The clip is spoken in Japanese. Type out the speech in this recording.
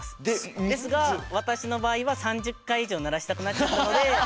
ですが私の場合は３０回以上鳴らしたくなっちゃったので。